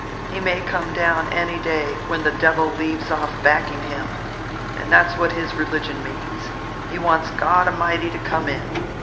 He may come down any day, when the devil leaves off backing him. And that's what his religion means: he wants God A'mighty to come in.